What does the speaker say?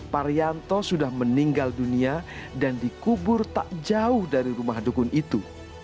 parianto sudah meninggal dunia dan dikubur tak jauh dari rumah dukun itu